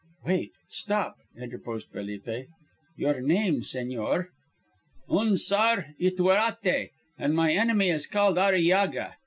"Wait. Stop!" interposed Felipe. "Your name, señor." "Unzar Ytuerate, and my enemy is called Arillaga.